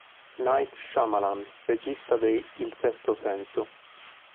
Night Shyamalan, regista de "Il sesto senso".